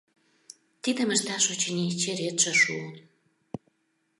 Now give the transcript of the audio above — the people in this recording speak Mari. Тидым ышташ, очыни, черетше шуын.